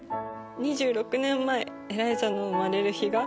「２６年前エライザの生まれる日が」。